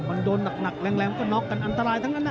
มันโดนหนักแรงก็น็อกกันอันตรายทั้งนั้นนะ